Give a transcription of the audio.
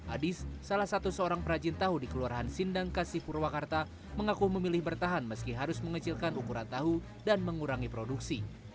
adis salah satu seorang perajin tahu di kelurahan sindang kasih purwakarta mengaku memilih bertahan meski harus mengecilkan ukuran tahu dan mengurangi produksi